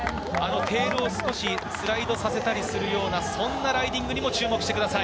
テールを少しスライドさせたりするような、そんなライディングにも注目です。